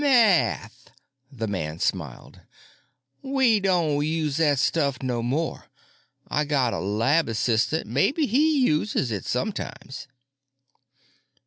"Math," the man smiled. "We don' use that stuff no more. I got a lab assistant, maybe he uses it sometimes."